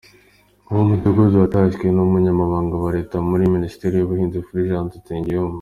Uwo mudugudu watashywe n’umunyamabaganga wa Leta muri Minisiteri y’ubuhinzi, Fulgence Nsengiyumva.